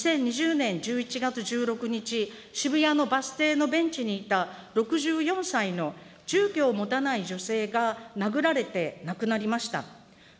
２０２０年１１月１６日、渋谷のバス停のベンチにいた６４歳の住居を持たない女性が殴られて亡くなりました。